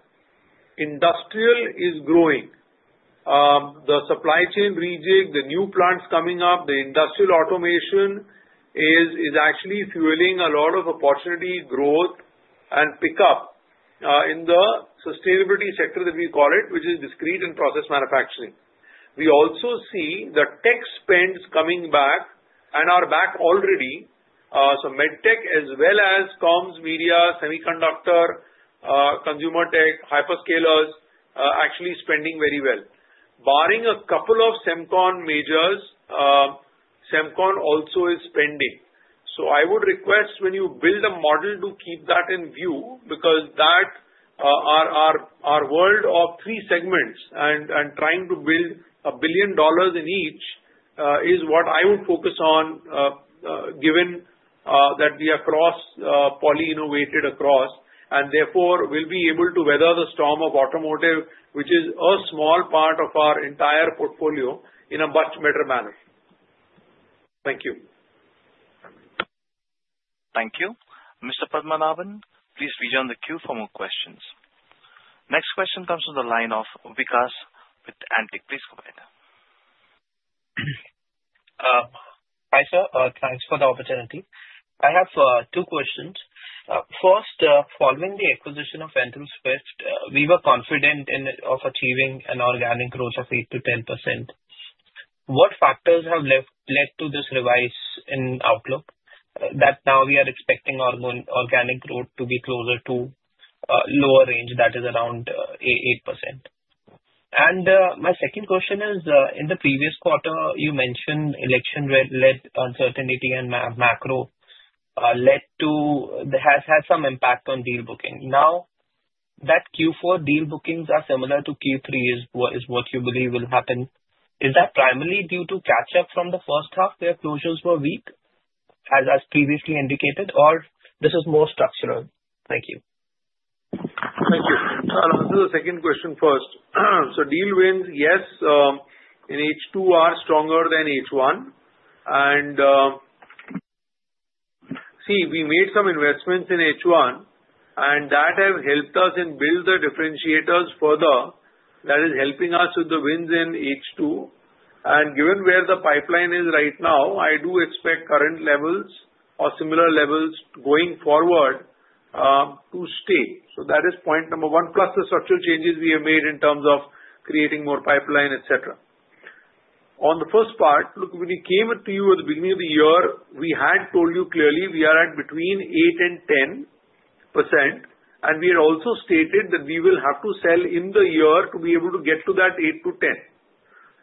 industrial is growing. The supply chain rejig, the new plants coming up, the industrial automation is actually fueling a lot of opportunity growth and pickup in the Sustainability sector that we call it, which is discrete and process manufacturing. We also see the Tech spend coming back and are back already. So medtech as well as comms, media, semiconductor, consumer Tech, hyperscalers are actually spending very well. Barring a couple of Semicon majors, Semicon also is spending. I would request when you build a model to keep that in view, because that's our world of three segments and trying to build $1 billion in each is what I would focus on, given that we are poly-innovated across, and therefore will be able to weather the storm of automotive, which is a small part of our entire portfolio, in a much better manner. Thank you. Thank you. Mr. Padmanabhan, please rejoin the queue for more questions. Next question comes from the line of Vikas with Antique. Please go ahead. Hi sir. Thanks for the opportunity. I have two questions. First, following the acquisition of Intelliswift, we were confident of achieving an organic growth of 8%-10%. What factors have led to this revision in outlook that now we are expecting our organic growth to be closer to lower range, that is around 8%? And my second question is, in the previous quarter, you mentioned election-led uncertainty and macro-led too has had some impact on deal booking. Now, that Q4 deal bookings are similar to Q3 is what you believe will happen. Is that primarily due to catch-up from the first half where closures were weak, as previously indicated, or this is more structural? Thank you. Thank you. This is the second question first. So deal wins, yes, in H2 are stronger than H1. And see, we made some investments in H1, and that has helped us in building the differentiators further. That is helping us with the wins in H2. And given where the pipeline is right now, I do expect current levels or similar levels going forward to stay. So that is point number one, plus the structural changes we have made in terms of creating more pipeline, etc. On the first part, look, when we came to you at the beginning of the year, we had told you clearly we are at between 8% and 10%, and we had also stated that we will have to sell in the year to be able to get to that 8%-10%.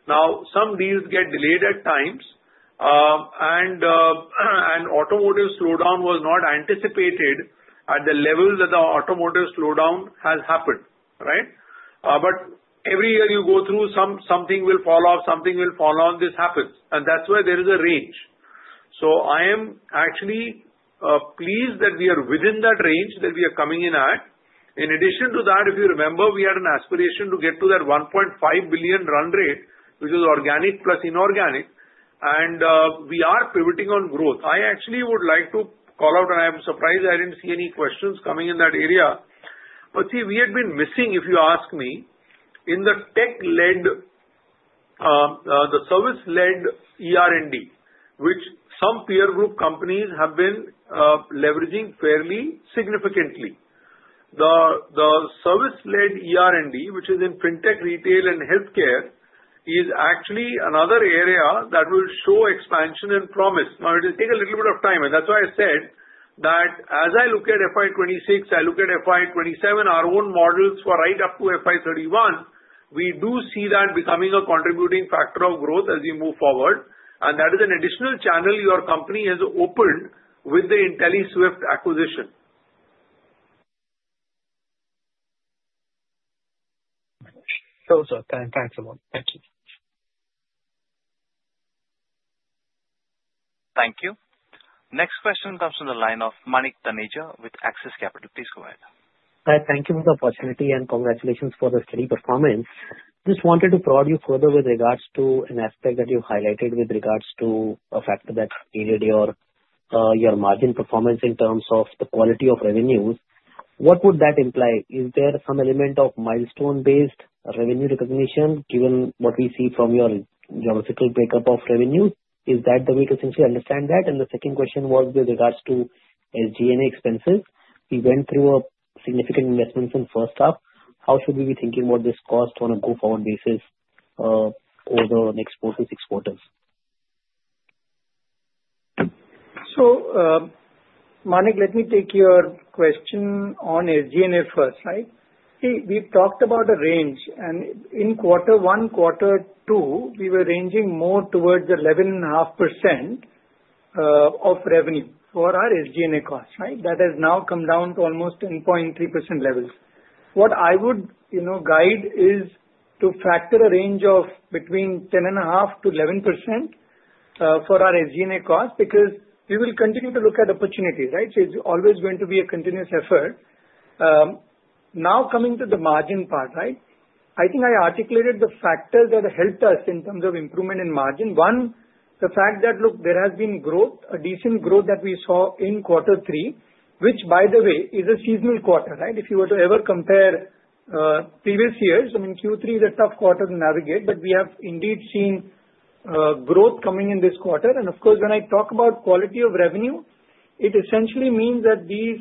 Now, some deals get delayed at times, and automotive slowdown was not anticipated at the level that the automotive slowdown has happened, right, but every year you go through, something will fall off, something will fall on, this happens, and that's why there is a range, so I am actually pleased that we are within that range that we are coming in at. In addition to that, if you remember, we had an aspiration to get to that $1.5 billion run rate, which was organic plus inorganic, and we are pivoting on growth. I actually would like to call out, and I'm surprised I didn't see any questions coming in that area, but see, we had been missing, if you ask me, in the tech-led, the service-led ER&D, which some peer group companies have been leveraging fairly significantly. The service-led ER&D, which is in fintech, retail, and healthcare, is actually another area that will show expansion and promise. Now, it will take a little bit of time. And that's why I said that as I look at FY 26, I look at FY 27, our own models for right up to FY 31, we do see that becoming a contributing factor of growth as we move forward. And that is an additional channel your company has opened with the Intelliswift acquisition. That's all. Thanks a lot. Thank you. Thank you. Next question comes from the line of Manik Taneja with Axis Capital. Please go ahead. Hi. Thank you for the opportunity and congratulations for the steady performance. Just wanted to prod you further with regards to an aspect that you highlighted with regards to a factor that needed your margin performance in terms of the quality of revenues. What would that imply? Is there some element of milestone-based revenue recognition given what we see from your geographical breakup of revenues? Is that the way to essentially understand that? And the second question was with regards to SG&A expenses. We went through significant investments in first half. How should we be thinking about this cost on a go-forward basis over the next four to six quarters? Manik, let me take your question on SG&A first, right? See, we've talked about a range. And in quarter one, quarter two, we were ranging more towards the 11.5% of revenue for our SG&A cost, right? That has now come down to almost 10.3% levels. What I would guide is to factor a range of between 10.5%-11% for our SG&A cost because we will continue to look at opportunity, right? So it's always going to be a continuous effort. Now, coming to the margin part, right? I think I articulated the factors that helped us in terms of improvement in margin. One, the fact that, look, there has been growth, a decent growth that we saw in quarter three, which, by the way, is a seasonal quarter, right? If you were to ever compare previous years, I mean, Q3 is a tough quarter to navigate, but we have indeed seen growth coming in this quarter. And of course, when I talk about quality of revenue, it essentially means that these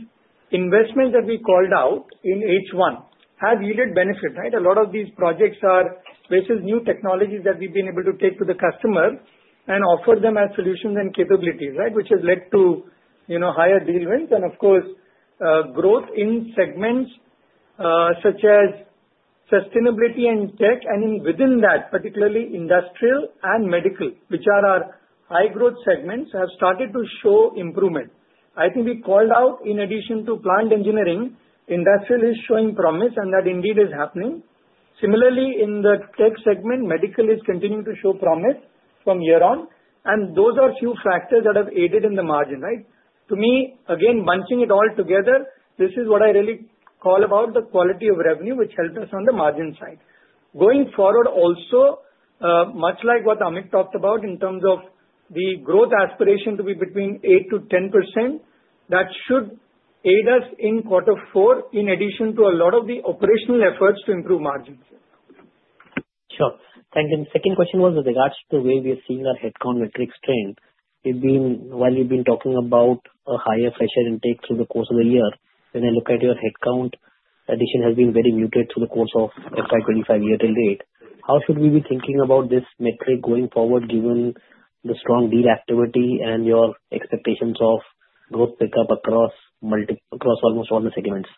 investments that we called out in H1 have yielded benefit, right? A lot of these projects are basically new technologies that we've been able to take to the customer and offer them as solutions and capabilities, right? Which has led to higher deal wins and, of course, growth in segments such as Sustainability and Tech. And within that, particularly industrial and medical, which are our high-growth segments, have started to show improvement. I think we called out, in addition to plant engineering, industrial is showing promise, and that indeed is happening. Similarly, in the Tech segment, medical is continuing to show promise from year on. Those are a few factors that have aided in the margin, right? To me, again, bunching it all together, this is what I really care about the quality of revenue, which helped us on the margin side. Going forward, also, much like what Amit talked about in terms of the growth aspiration to be between 8%-10%, that should aid us in quarter four in addition to a lot of the operational efforts to improve margins. Sure. Thank you, and the second question was with regards to the way we are seeing our headcount metrics trend. While we've been talking about a higher fresher intake through the course of the year, when I look at your headcount addition has been very muted through the course of FY 25 year till date. How should we be thinking about this metric going forward, given the strong deal activity and your expectations of growth pickup across almost all the segments?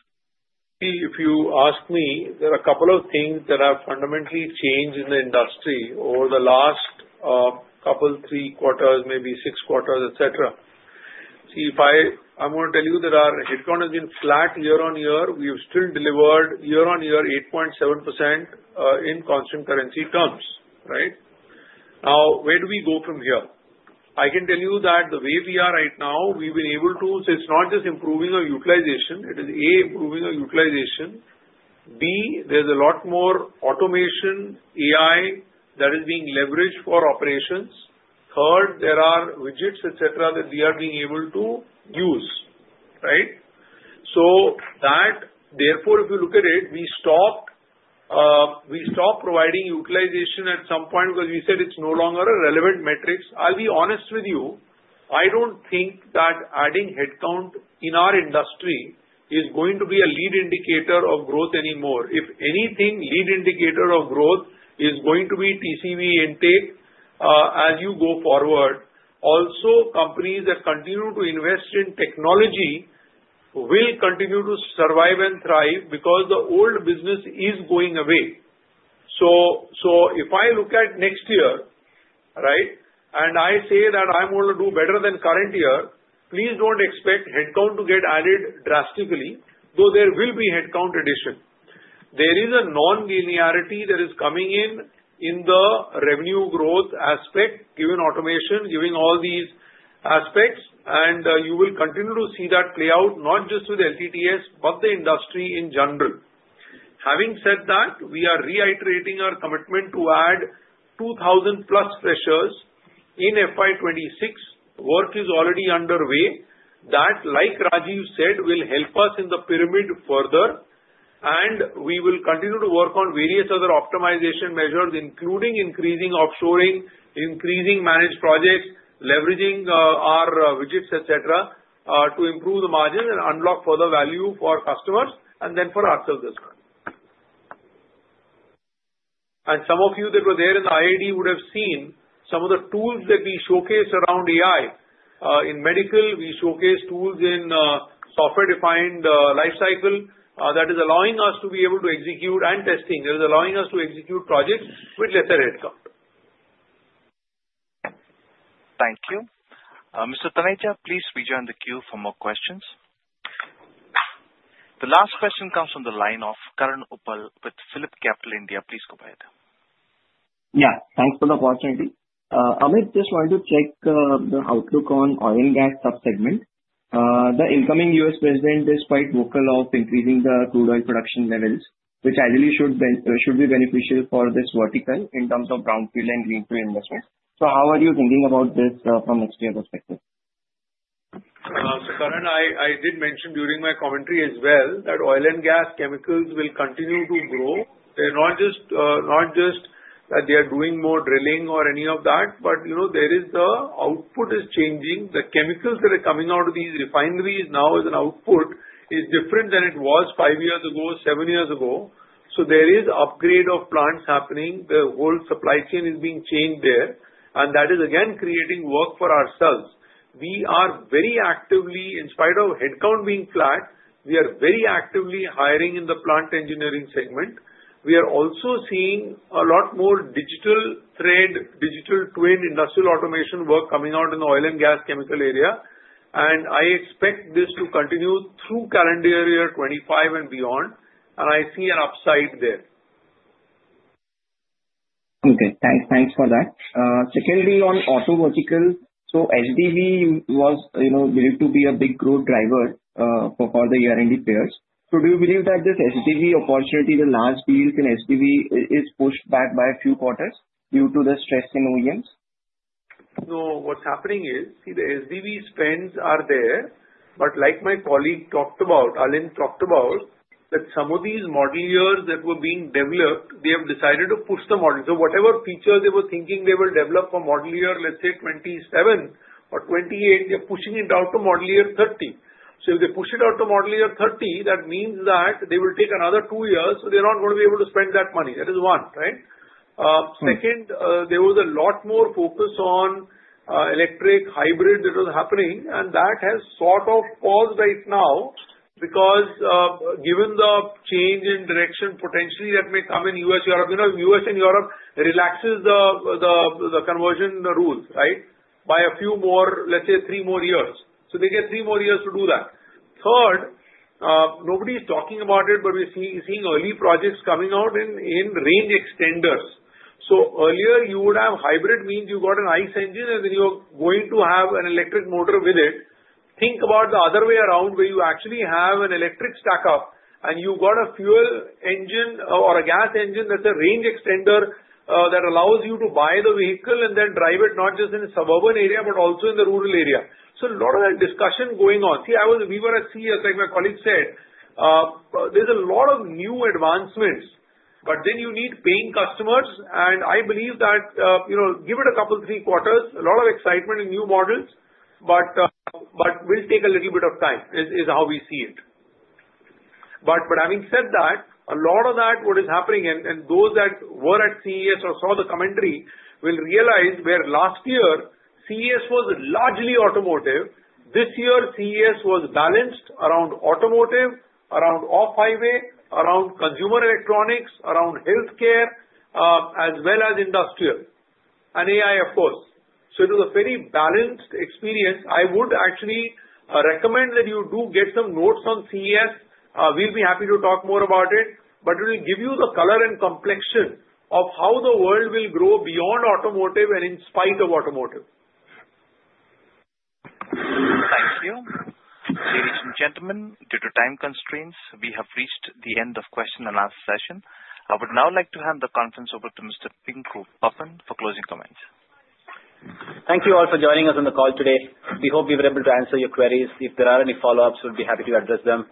If you ask me, there are a couple of things that have fundamentally changed in the industry over the last couple, three quarters, maybe six quarters, etc. See, I'm going to tell you that our headcount has been flat year on year. We have still delivered year on year 8.7% in constant currency terms, right? Now, where do we go from here? I can tell you that the way we are right now, we've been able to, so it's not just improving our utilization. It is, A, improving our utilization. B, there's a lot more automation, AI that is being leveraged for operations. Third, there are widgets, etc., that we are being able to use, right? So therefore, if you look at it, we stopped providing utilization at some point because we said it's no longer a relevant metric. I'll be honest with you. I don't think that adding headcount in our industry is going to be a lead indicator of growth anymore. If anything, lead indicator of growth is going to be TCV intake as you go forward. Also, companies that continue to invest in technology will continue to survive and thrive because the old business is going away. So if I look at next year, right, and I say that I'm going to do better than current year, please don't expect headcount to get added drastically, though there will be headcount addition. There is a non-linearity that is coming in in the revenue growth aspect, given automation, given all these aspects, and you will continue to see that play out not just with LTTS, but the industry in general. Having said that, we are reiterating our commitment to add 2,000 plus headcounts in FY 26. Work is already underway. That, like Rajeev said, will help us in the pyramid further, and we will continue to work on various other optimization measures, including increasing offshoring, increasing managed projects, leveraging our widgets, etc., to improve the margins and unlock further value for customers and then for ourselves as well. Some of you that were there in the IAD would have seen some of the tools that we showcased around AI. In medical, we showcased tools in software-defined lifecycle. That is allowing us to be able to execute and testing. That is allowing us to execute projects with lesser headcount. Thank you. Mr. Taneja, please rejoin the queue for more questions. The last question comes from the line of Karan Uppal with PhillipCapital. Please go ahead. Yeah. Thanks for the opportunity. Amit, just wanted to check the outlook on oil and gas subsegment. The incoming U.S. president is quite vocal of increasing the crude oil production levels, which I believe should be beneficial for this vertical in terms of brownfield and greenfield investment. So how are you thinking about this from an expert perspective? Karan, I did mention during my commentary as well that oil and gas chemicals will continue to grow. They're not just that they are doing more drilling or any of that, but there is the output is changing. The chemicals that are coming out of these refineries now as an output is different than it was five years ago, seven years ago. So there is upgrade of plants happening. The whole supply chain is being changed there, and that is again creating work for ourselves. We are very actively, in spite of headcount being flat, we are very actively hiring in the plant engineering segment. We are also seeing a lot more digital thread, digital twin industrial automation work coming out in the oil and gas chemical area. And I expect this to continue through calendar year 2025 and beyond, and I see an upside there. Okay. Thanks for that. Secondly on auto vertical, so SDV was believed to be a big growth driver for the ER&D players. So do you believe that this SDV opportunity, the large deals in SDV, is pushed back by a few quarters due to the stress in OEMs? So what's happening is, see, the SDV spends are there, but like my colleague talked about, Alind talked about, that some of these model years that were being developed, they have decided to push the model. So whatever feature they were thinking they will develop for model year, let's say, 27 or 28, they're pushing it out to model year 30. So if they push it out to model year 30, that means that they will take another two years, so they're not going to be able to spend that money. That is one, right? Second, there was a lot more focus on electric hybrid that was happening, and that has sort of paused right now because given the change in direction potentially that may come in US, Europe. US and Europe relaxes the conversion rules, right, by a few more, let's say, three more years. So they get three more years to do that. Third, nobody's talking about it, but we're seeing early projects coming out in range extenders. So earlier, you would have hybrid means you got an ICE engine, and then you're going to have an electric motor with it. Think about the other way around where you actually have an electric stack-up, and you got a fuel engine or a gas engine that's a range extender that allows you to buy the vehicle and then drive it not just in a suburban area, but also in the rural area. So a lot of discussion going on. See, we were at CES, like my colleague said. There's a lot of new advancements, but then you need paying customers, and I believe that give it a couple, three quarters, a lot of excitement in new models, but will take a little bit of time is how we see it. But having said that, a lot of that what is happening, and those that were at CES or saw the commentary will realize where last year CES was largely automotive. This year, CES was balanced around automotive, around off-highway, around consumer electronics, around healthcare, as well as industrial, and AI, of course, so it was a very balanced experience. I would actually recommend that you do get some notes on CES. We'll be happy to talk more about it, but it will give you the color and complexion of how the world will grow beyond automotive and in spite of automotive. Thank you. Ladies and gentlemen, due to time constraints, we have reached the end of question and answer session. I would now like to hand the conference over to Mr. Pinku Pappan for closing comments. Thank you all for joining us on the call today. We hope we were able to answer your queries. If there are any follow-ups, we'll be happy to address them.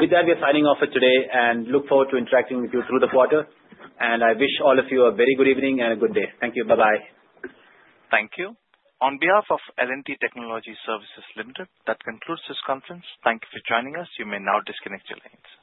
With that, we're signing off for today and look forward to interacting with you through the quarter. I wish all of you a very good evening and a good day. Thank you. Bye-bye. Thank you. On behalf of L&T Technology Services Limited, that concludes this conference. Thank you for joining us. You may now disconnect your lines.